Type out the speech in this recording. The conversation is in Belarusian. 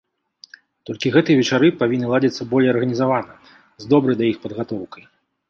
Толькі гэтыя вечары павінны ладзіцца болей арганізавана, з добрай да іх падгатоўкай.